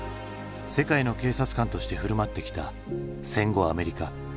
世界の警察官として振る舞ってきた戦後アメリカ。